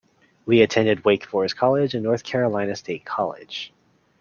Lee attended Wake Forest College and North Carolina State College.